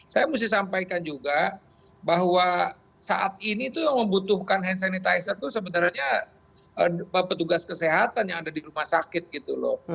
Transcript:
saya mesti sampaikan juga bahwa saat ini tuh yang membutuhkan hand sanitizer itu sebenarnya petugas kesehatan yang ada di rumah sakit gitu loh